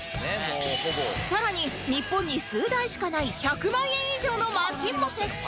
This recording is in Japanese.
さらに日本に数台しかない１００万円以上のマシンも設置！